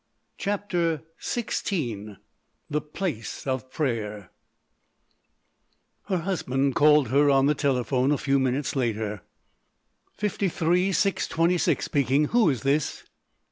CHAPTER XVI THE PLACE OF PRAYER Her husband called her on the telephone a few minutes later: "Fifty three, Six twenty six speaking! Who is this?"